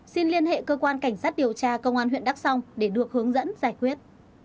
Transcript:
xin liên hệ cơ quan cảnh sát điều tra công an huyện đắk xong để được hướng dẫn giải quyết